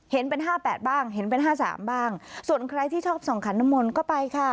เห็นเป็นห้าแปดบ้างเห็นเป็นห้าสามบ้างส่วนใครที่ชอบส่องขันน้ำมนต์ก็ไปค่ะ